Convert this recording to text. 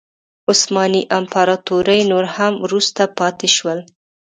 عثماني امپراتوري نور هم وروسته پاتې شول.